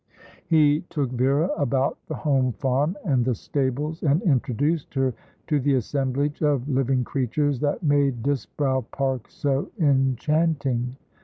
He took Vera about the home farm, and the stables, and introduced her to the assemblage of living creatures that made Disbrowe Park so enchanting.